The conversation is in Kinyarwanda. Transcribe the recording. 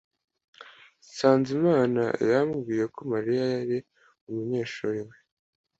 Sanzimana yambwiye ko Mariya yari umunyeshuri we.